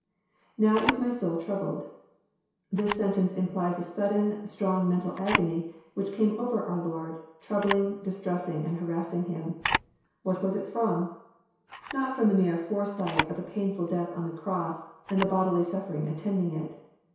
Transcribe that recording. [iVbto ia my soul troubled,] This sentence implies a sudden, strong mental agony, which came over our Lord, troubling, distressing, and harassing Him. — What was it Arom ? Not trom the mere foresight of a painfUl death on the cross, and the i!>odily suffering attending it.